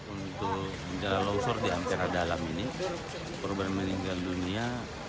untuk jalan longsor di ampera dalam ini program meninggal dunia tujuh